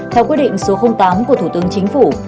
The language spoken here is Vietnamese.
theo quyết định số tám của thủ tướng chính phủ